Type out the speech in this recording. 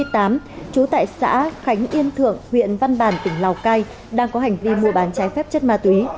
trú tại xã khánh yên thượng huyện văn bàn tỉnh lào cai đang có hành vi mua bán trái phép chất ma túy